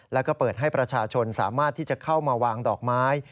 แล้วก็เปิดให้ประชาชนสามารถที่จะเข้ามาวางดอกไม้